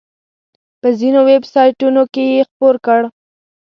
په ځینو ویب سایټونو کې یې خپور کړ.